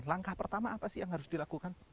langkah pertama apa sih yang harus dilakukan